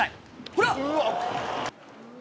ほら。